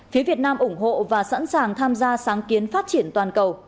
phía việt nam ủng hộ và sẵn sàng tham gia sáng kiến phát triển toàn cầu